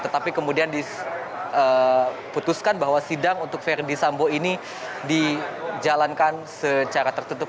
tetapi kemudian diputuskan bahwa sidang untuk verdi sambo ini dijalankan secara tertutup